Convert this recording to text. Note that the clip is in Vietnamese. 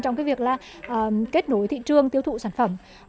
trong việc kết nối thị trường tiêu thụ sản phẩm